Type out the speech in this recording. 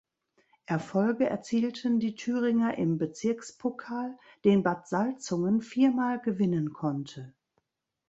Erfolge erzielten die Thüringer im Bezirkspokal, den Bad Salzungen viermal gewinnen konnte.